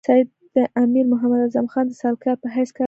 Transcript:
سید د امیر محمد اعظم خان د سلاکار په حیث کار کاوه.